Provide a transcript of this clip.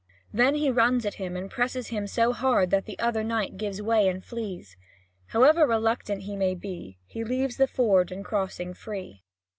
Then he runs at him and presses him so hard that the other knight gives way and flees. However reluctant he may be, he leaves the ford and crossing free.